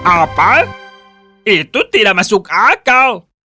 apa itu tidak masuk akal